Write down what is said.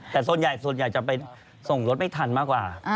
แต่ส่วนใหญ่ส่วนใหญ่จะไปส่งรถไม่ทันมากกว่า